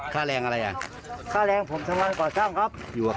ค่าแรงอะไรอ่ะค่าแรงผมสมันก่อสร้างครับ